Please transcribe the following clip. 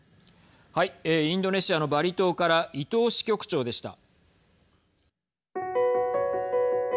インドネシアのバリ島から伊藤支局長でした。